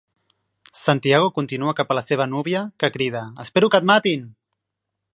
Santiago continua cap a la seva núvia, que crida, ...Espero que et matin!